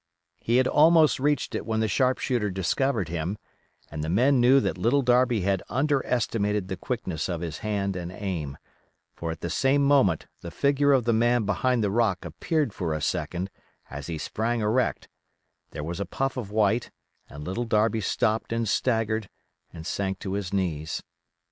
He had almost reached it when the sharp shooter discovered him, and the men knew that Little Darby had underestimated the quickness of his hand and aim; for at the same moment the figure of the man behind the rock appeared for a second as he sprang erect; there was a puff of white and Little Darby stopped and staggered and sank to his knees.